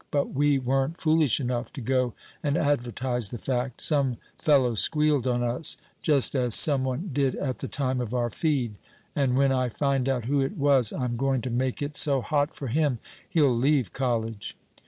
But we weren't foolish enough to go and advertise the fact. Some fellow squealed on us, just as some one did at the time of our feed. And when I find out who it was I'm going to make it so hot for him he'll leave college."